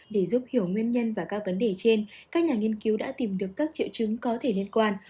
để giúp hiểu nguyên nhân và các vấn đề trên các nhà nghiên cứu đã tìm được các triệu chứng có thể liên quan